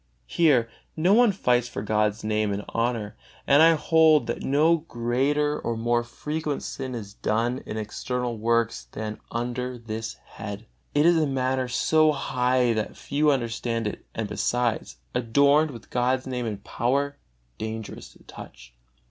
Here no one fights for God's Name and honor, and I hold that no greater or more frequent sin is done in external works than under this head. It is a matter so high that few understand it, and, besides, adorned with God's Name and power, dangerous to touch.